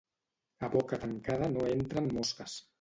A boca tancada no entren mosques